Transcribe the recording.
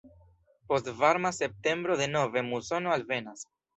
Post varma septembro denove musono alvenas.